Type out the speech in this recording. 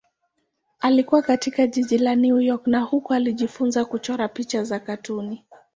Alikua katika jiji la New York na huko alijifunza kuchora picha za katuni.